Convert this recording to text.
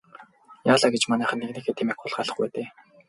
Яалаа гэж манайхан нэгнийхээ тэмээг хулгайлах вэ дээ.